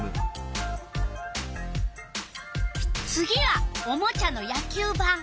次はおもちゃの野球ばん。